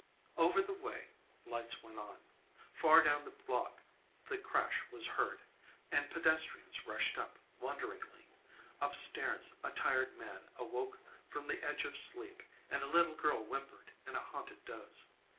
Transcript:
. Over the way lights went on; far down the block the crash was heard, and pedestrians rushed up wonderingly; up stairs a tired man awoke from the edge of sleep and a little girl whimpered in a haunted doze.